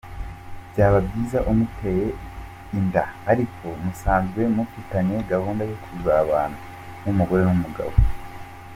Byaba byiza umuteye inda ariko musanzwe mufitanye gahunda yo kuzabana nk’umugore n’umugabo.